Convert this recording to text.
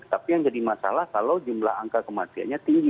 tapi yang jadi masalah kalau jumlah angka kematiannya tinggi